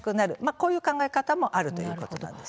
こういう考えもあるということです。